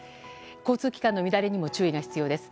交通機関の乱れにも注意が必要です。